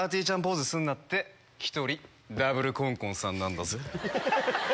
ちゃんポーズすんなって１人ダブルこんこんさんなんだぜ。